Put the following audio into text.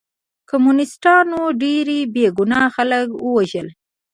کمونستانو ډېر بې ګناه خلک ووژل